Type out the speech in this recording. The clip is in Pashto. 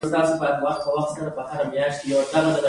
کارګران ولې خپله کوټه نه رنګوي